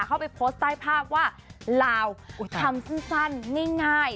เข้าไปโพสต์ใต้ภาพว่าลาวทำสั้นง่าย